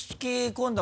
今度